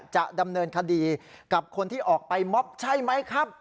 จะดำเนินคดีกับคนที่ออกไปมอบใช่ไหมครับ